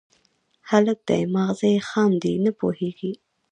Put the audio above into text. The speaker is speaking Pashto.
_هلک دی، ماغزه يې خام دي، نه پوهېږي.